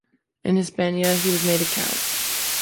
In Hispania he was made a count.